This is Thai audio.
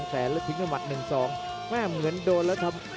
เพิ่มง้าเมื่อดูได้ครับ